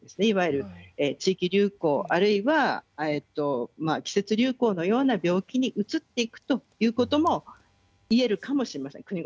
いわゆる地域流行あるいは季節流行のような病気に移っていくということも言えるかもしれません。